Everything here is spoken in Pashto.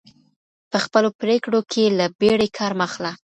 په خپلو پرېکړو کي له بیړې کار مه اخله.